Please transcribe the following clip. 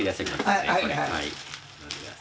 はいはい。